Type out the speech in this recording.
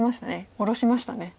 下ろしましたね。